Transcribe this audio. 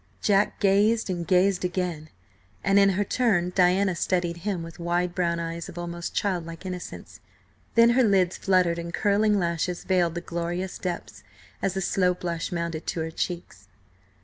Jack gazed, and gazed again, and in her turn Diana studied him with wide brown eyes of almost childlike innocence. Then her lids fluttered and curling lashes veiled the glorious depths, as a slow blush mounted to her cheeks.